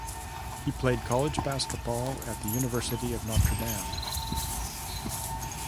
He played college basketball at the University of Notre Dame.